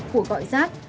của gọi rác